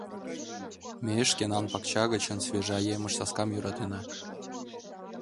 — Ме шкенан пакча гычын свежа емыж-саскам йӧратена.